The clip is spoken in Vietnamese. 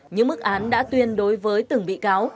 những mức án đã tuyên đối với từng bị cáo